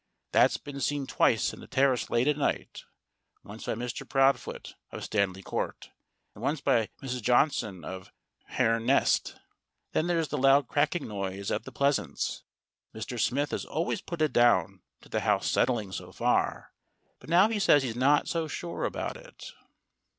That's been seen twice in the terrace late at night once by Mr. Proud foot of Stanley Court, and once by Mrs. Johnson of Herne Nest. Then there's the loud cracking noise at The Pleasaunce : Mr. Smith has always put it down to the house settling so far, but now he says he's not so sure about it."